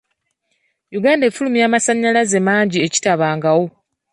Uganda efulumya amasannyalaze mangi ekitabangawo.